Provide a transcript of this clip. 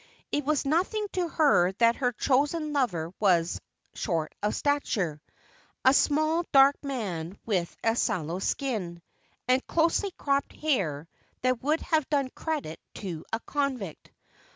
It was nothing to her that her chosen lover was short of stature a small, dark man, with a sallow skin, and closely cropped hair that would have done credit to a convict.